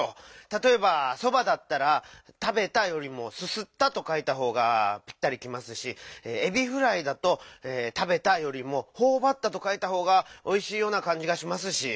たとえば「そば」だったら「たべた」よりも「すすった」とかいたほうがピッタリきますし「エビフライ」だと「たべた」よりも「ほおばった」とかいたほうがおいしいようなかんじがしますし。